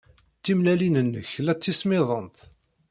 Timellalin-nnek la ttismiḍent.